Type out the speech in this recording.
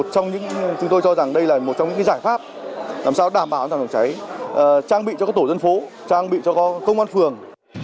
chúng tôi cho rằng đây là một trong những giải pháp làm sao đảm bảo phòng cháy trang bị cho các tổ dân phố trang bị cho các công an phường